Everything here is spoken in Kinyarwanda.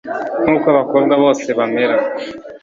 nkuko abakobwa bose bamera